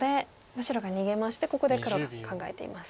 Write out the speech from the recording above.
白が逃げましてここで黒が考えています。